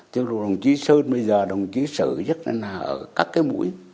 thưa đồng chí sơn bây giờ đồng chí sử nhất là ở các cái mũi